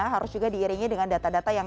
harus juga diiringi dengan data data yang